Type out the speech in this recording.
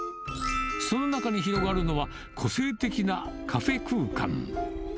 その中に広がるのは、個性的なカフェ空間。